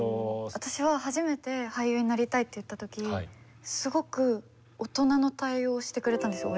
私は初めて「俳優になりたい」って言ったときすごく大人の対応をしてくれたんですよ